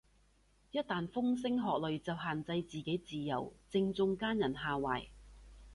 一但風聲鶴唳就限制自己自由，正中奸人下懷